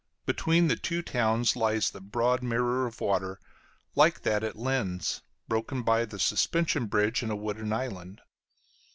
Between the two towns lies the broad mirror of water, like that at Linz, broken by the suspension bridge and a wooded island.